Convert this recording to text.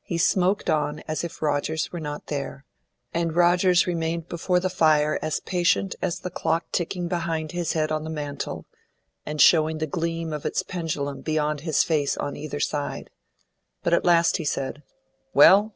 He smoked on as if Rogers were not there, and Rogers remained before the fire as patient as the clock ticking behind his head on the mantel, and showing the gleam of its pendulum beyond his face on either side. But at last he said, "Well?"